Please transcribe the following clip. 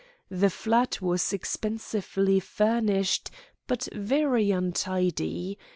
The flat was expensively furnished, but very untidy.